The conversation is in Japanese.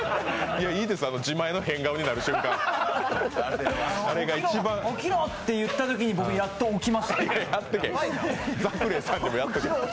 いいです、自前の変顔になる瞬間、あれが一番「起きろ！」って言ったときに、僕やっと起きました。